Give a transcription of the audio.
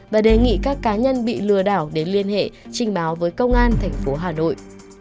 và đề nghị các cá nhân bị lừa đảo đến liên hệ trình báo với công an tp hà nội